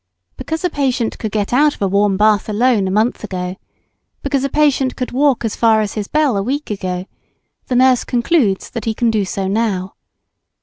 Because a patient could get out of a warm bath alone a month ago because a patient could walk as far as his bell a week ago, the nurse concludes that he can do so now.